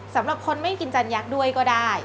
สำหรับคนไม่กินจันยักษ์ด้วยก็ได้